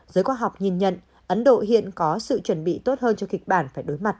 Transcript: giới khoa học nhìn nhận ấn độ hiện có sự chuẩn bị tốt hơn cho kịch bản phải đối mặt